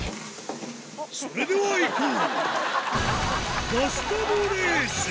それではいこう！